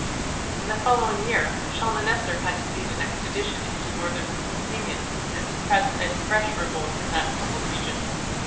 In the following year Shalmaneser had to lead an expedition into northern Mesopotamia and suppress a fresh revolt in that troubled region.